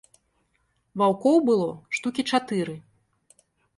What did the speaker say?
Ваўкоў было штукі чатыры.